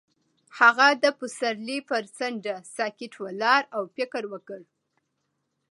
هغه د پسرلی پر څنډه ساکت ولاړ او فکر وکړ.